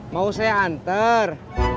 mau saya anter